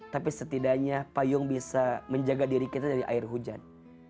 tapi setidaknya payung bisa menjaga diri kita dari air hujan